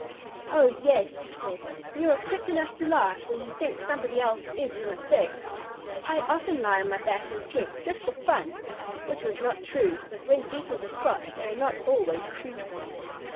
"Oh, yes," he said, "you are quick enough to laugh when you think somebody else is in a fix. I often lie on my back and kick, just for fun." (Which was not true, but when Beetles are cross they are not always truthful.)